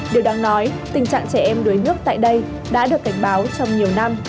điều đáng nói tình trạng trẻ em đuối nước tại đây đã được cảnh báo trong nhiều năm